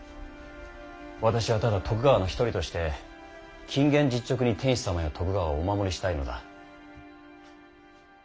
私はただ徳川の一人として謹厳実直に天子様や徳川をお守りしたいのだ。